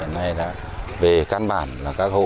này đã về căn bản là các hộ